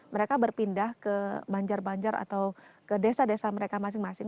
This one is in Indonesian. mereka berpindah ke banjar banjar atau ke desa desa mereka masing masing